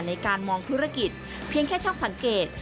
ในการมองธุรกิจเพียงแค่ชอบสังเกต